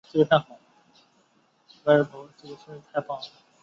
宋开宝九年罗山县废。